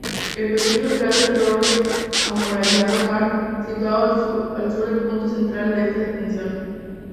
El pequeño cráter-doble amurallado Marth, situado al sur del punto central de esta extensión.